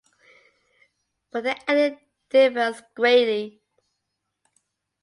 But the ending differs greatly.